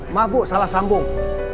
mabuk salah sambung